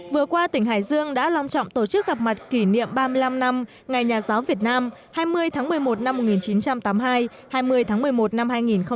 vừa qua tỉnh hải dương đã long trọng tổ chức gặp mặt kỷ niệm ba mươi năm năm ngày nhà giáo việt nam hai mươi tháng một mươi một năm một nghìn chín trăm tám mươi hai hai mươi tháng một mươi một năm hai nghìn một mươi chín